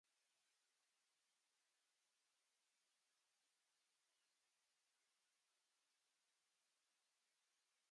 "Brisbane Star"s Master, Captain Frederick Riley, refused and the harbour master eventually withdrew.